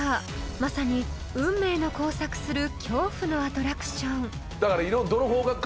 ［まさに運命の交錯する恐怖のアトラクション］だから。